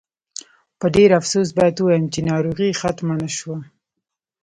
په ډېر افسوس باید ووایم چې ناروغي ختمه نه شوه.